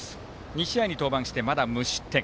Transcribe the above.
２試合に登板して、まだ無失点。